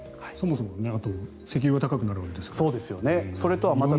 そもそも石油が高くなるわけですから。